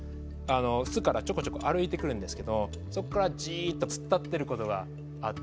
巣からちょこちょこ歩いてくるんですけどそこからじっと突っ立ってることがあって。